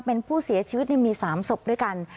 เป็นผู้เสียชีวิตมี๓ศพด้วยกัน